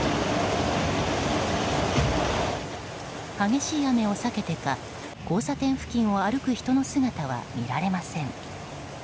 激しい雨をさけてか交差点付近を歩く人の姿は見られません。